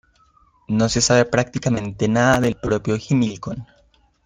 No se sabe prácticamente nada del propio Himilcón.